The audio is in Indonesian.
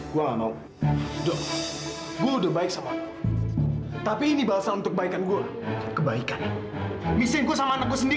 gua gak mau gua mau tidur di kota siena